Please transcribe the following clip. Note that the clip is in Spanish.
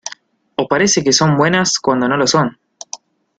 o parece que son buenas cuando no lo son.